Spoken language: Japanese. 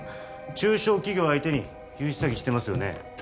中小企業相手に融資詐欺してますよね？